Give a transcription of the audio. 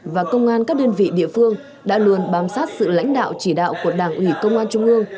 và công an các đơn vị địa phương đã luôn bám sát sự lãnh đạo chỉ đạo của đảng ủy công an trung ương